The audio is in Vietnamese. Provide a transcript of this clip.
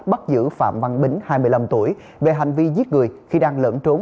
bắt giữ phạm văn bính hai mươi năm tuổi về hành vi giết người khi đang lẫn trốn